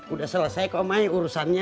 udah selesai kok may urusannya